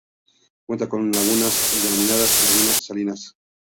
Cuenta con unas lagunas denominadas ""Lagunas Salinas"".